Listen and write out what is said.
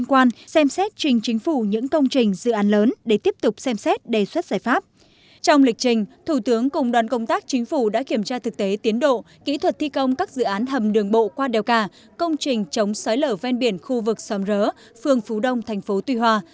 qua đều cả công trình chống xói lở ven biển khu vực xóm rớ phường phú đông thành phố tuy hòa